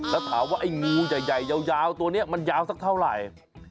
แล้วถามว่าไอ้งูใหญ่ยาวตัวนี้มันยาวสักเท่าไหร่